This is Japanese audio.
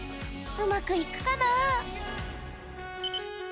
うまくいくかな？